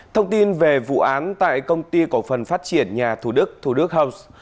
thông tin về vụ án tại công ty cổ phần phát triển nhà thủ đức thủ đức house